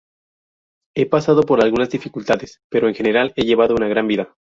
He pasado por algunas dificultades, pero en general, he llevado una gran vida.